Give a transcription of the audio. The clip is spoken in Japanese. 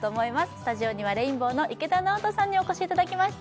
スタジオにはレインボーの池田直人さんにお越しいただきました